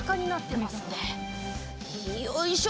よいしょ。